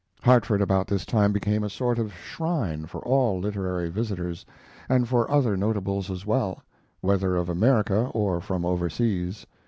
Hartford about this time became a sort of shrine for all literary visitors, and for other notables as well, whether of America or from overseas.